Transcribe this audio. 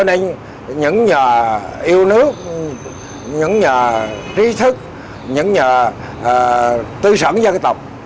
những nhà yêu nước những nhà trí thức những nhà tư sẵn dân tộc